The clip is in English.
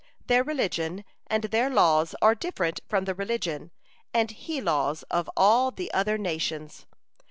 Their religion and their laws are different from the religion and he laws of all the other nations.